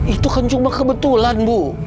itu kan cuma kebetulan bu